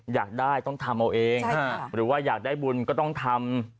อยากได้ต้องทำเอาเองหรือว่าอยากได้บุญก็ต้องทำ